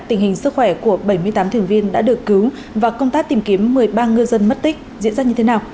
tình hình sức khỏe của bảy mươi tám thuyền viên đã được cứu và công tác tìm kiếm một mươi ba ngư dân mất tích diễn ra như thế nào